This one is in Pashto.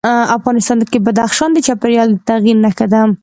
افغانستان کې بدخشان د چاپېریال د تغیر نښه ده.